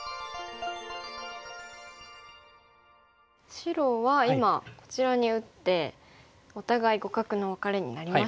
白は今こちらに打ってお互い互角のワカレになりましたが。